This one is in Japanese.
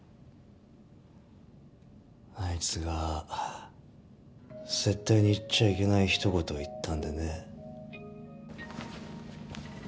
あいつが絶対に言っちゃいけない一言を言ったんでね。